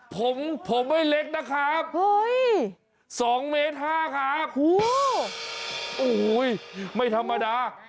ผมผมไม่เล็กนะครับเฮ้ยสองเมตรห้าครับโอ้โหโอ้โหไม่ธรรมดา